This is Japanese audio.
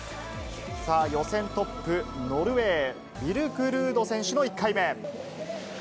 さあ、予選トップ、ノルウェー、ビルク・ルード選手の１回目。